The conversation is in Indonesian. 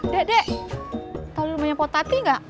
dek dek tau di rumahnya pak tati gak